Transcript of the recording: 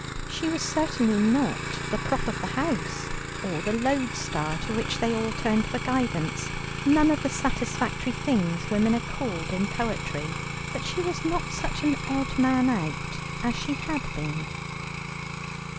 She was certainly not the prop of the house, or the lodestar to which they all turned for guidance, none of the satisfactory things women are called in poetry, but she was not such an odd man out as she had been.